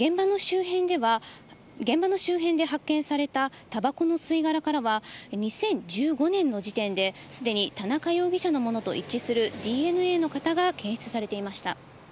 現場の周辺で発見されたたばこの吸い殻からは、２０１５年の時点で、すでに田中容疑者のものと一致するＤＮＡの型が検出されていました。